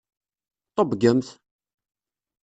Ṭebbgemt!